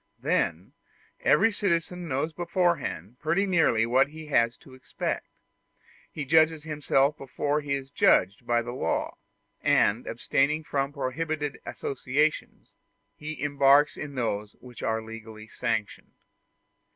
Then every citizen knows beforehand pretty nearly what he has to expect. He judges himself before he is judged by the law, and, abstaining from prohibited associations, he embarks in those which are legally sanctioned.